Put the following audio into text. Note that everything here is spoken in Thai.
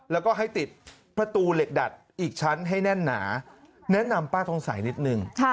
แล้วก็ให้ติดประตูเหล็กดัดอีกชั้นให้แน่นหนาแนะนำป้าทองสัยนิดนึง